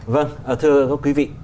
vâng thưa quý vị